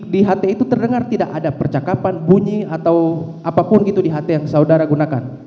di ht itu terdengar tidak ada percakapan bunyi atau apapun gitu di ht yang saudara gunakan